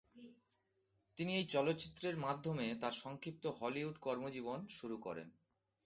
তিনি এই চলচ্চিত্রের মাধ্যমে তার সংক্ষিপ্ত হলিউড কর্মজীবন শুরু করেন।